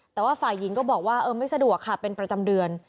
แต่ว่าฝ่ายหญิงก็บอกว่าเออไม่สะดวกค่ะเป็นประจำเดือน